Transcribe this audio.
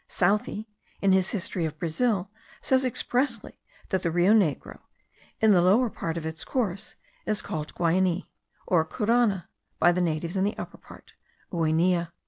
Southey, in his history of Brazil, says expressly that the Rio Negro, in the lower part of its course, is called Guiani, or Curana, by the natives; in the upper part, Ueneya.